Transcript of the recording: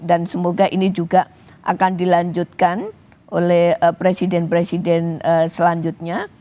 dan semoga ini juga akan dilanjutkan oleh presiden presiden selanjutnya